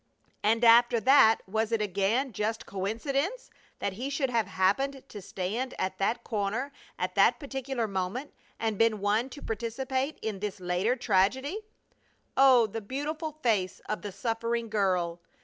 And after that was it again just coincidence that he should have happened to stand at that corner at that particular moment and been one to participate in this later tragedy? Oh, the beautiful face of the suffering girl!